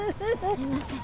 すいません。